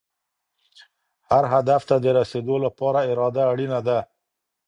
هر هدف ته د رسېدو لپاره اراده اړینه ده.